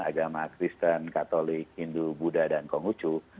agama kristen katolik hindu buddha dan konghucu